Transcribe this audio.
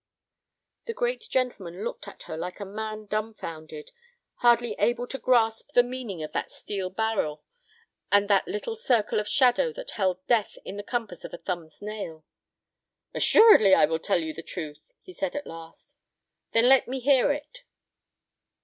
The great gentleman looked at her like a man dumfounded, hardly able to grasp the meaning of that steel barrel and that little circle of shadow that held death in the compass of a thumb's nail. "Assuredly I will tell you the truth," he said, at last. "Then let me hear it."